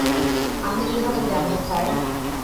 আমি কিভাবে জানবো, স্যার?